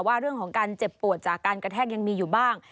ว่าเรื่องของการเจ็บปวดจากการกระแทกยังมีอยู่บ้าง